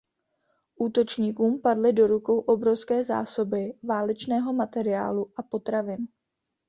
Útočníkům padly do rukou obrovské zásoby válečného materiálu a potravin.